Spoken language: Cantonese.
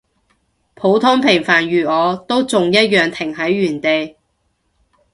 普通平凡如我，都仲一樣停喺原地